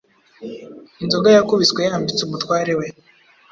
Inzoga yakubiswe yambitse umutware we